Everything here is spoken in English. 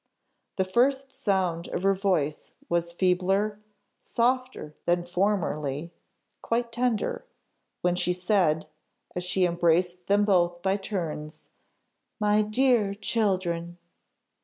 The first sound of her voice was feebler, softer, than formerly quite tender, when she said, as she embraced them both by turns, "My dear children!"